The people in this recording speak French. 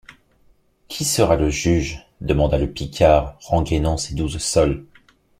Qui sera le iuge? demanda le Picard, renguaisnant ses douze sols.